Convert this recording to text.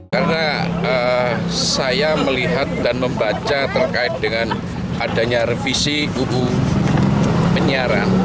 karena saya melihat dan membaca terkait dengan adanya revisi ubu penyiaran